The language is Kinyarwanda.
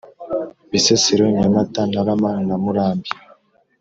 Bisesero Nyamata Ntarama na Murambi